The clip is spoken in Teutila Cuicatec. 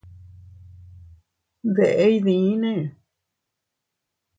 ¿Deʼe iydinne?